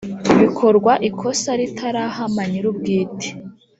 bikorwa ikosa ritarahama nyir ubwite